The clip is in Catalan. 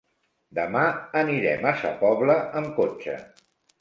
Demà anirem a Sa Pobla amb cotxe.